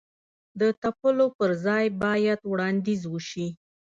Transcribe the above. د تپلو پر ځای باید وړاندیز وشي.